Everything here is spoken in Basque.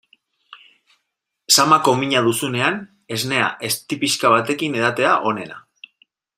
Samako mina duzunean esnea ezti pixka batekin edatea da onena.